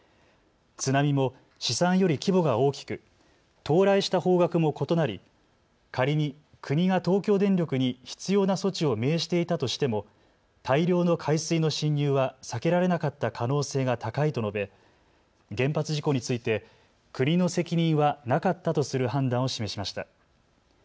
津波も試算より規模が大きく到来した方角も異なり仮に国が東京電力に必要な措置を命じていたとしても大量の海水の浸入は避けられなかった可能性が高いと述べ、原発事故について国の責任はなかったとする判断を示しました。